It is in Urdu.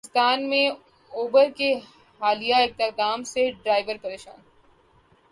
پاکستان میں اوبر کے حالیہ اقدام سے ڈرائیورز پریشان